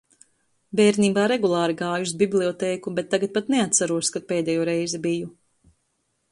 Bērnībā regulāri gāju uz bibliotēku, bet tagad pat neatceros, kad pēdējo reizi biju.